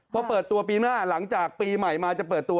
พอเปิดตัวปีหน้าหลังจากปีใหม่มาจะเปิดตัว